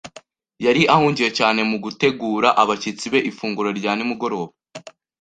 Yari ahugiye cyane mu gutegura abashyitsi be ifunguro rya nimugoroba.